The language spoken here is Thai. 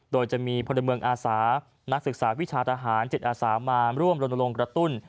โดยจะมีพลเมืองอาสานักศึกษาวิชาทหารจิตอาสามาร่วมลงกระตุ้น